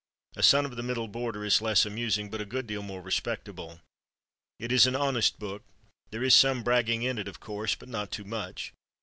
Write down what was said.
"A Son of the Middle Border" is less amusing, but a good deal more respectable. It is an honest book. There is some bragging in it, of course, but not too much.